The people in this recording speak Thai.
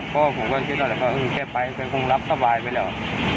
ก็คิดว่าแค่ไปก็คงรับสบายไปแล้ว